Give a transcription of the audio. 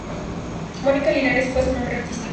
Mónica Linares fue su nombre artístico.